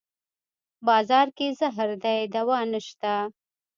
بازار کې زهر دی دوانشته